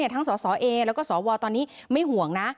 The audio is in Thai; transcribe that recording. ทั้งสเอและสวตอนนี้ไม่ห่วงนะ